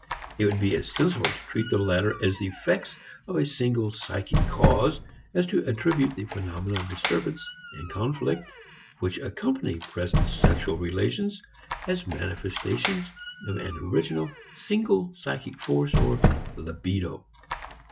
It would be as sensible to treat the latter as effects of a single psychic cause as to attribute the phenomena of disturbance and conflict which accompany present sexual relations as manifestations of an original single psychic force or Libido.